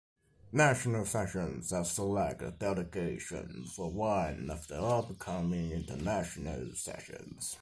National sessions are to select a delegation for one of the upcoming international sessions.